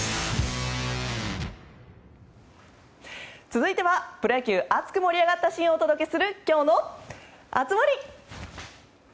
続いては、プロ野球熱く盛り上がったシーンをお届けする今日の熱盛！